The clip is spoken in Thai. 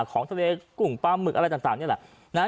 ของทะเลกุ่งปลาหมึกอะไรต่างนี่แหละ